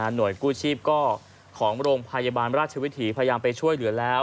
หน่วยกู้ชีพก็ของโรงพยาบาลราชวิถีพยายามไปช่วยเหลือแล้ว